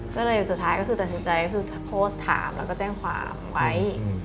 ก็เลยสุดท้ายก็ผสมใจคือส่งถามแล้วก็แจ้งความไว้